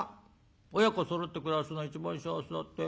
親子そろって暮らすのが一番幸せだって。